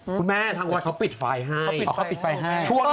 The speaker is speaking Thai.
คุณแม่ทั้งวันเขาปิดไฟล์ให้เขาปิดไฟล์ให้